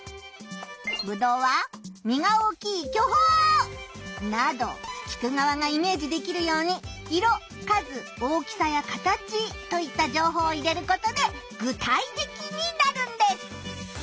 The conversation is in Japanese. ぶどうは実が大きい巨峰。など聞くがわがイメージできるように色数大きさや形といった情報を入れることで具体的になるんです！